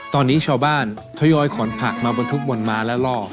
ตอนนี้ชาวบ้านทยอยขนผักมาบรรทุกบนม้าและล่อ